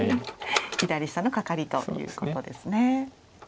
左下のカカリということですね。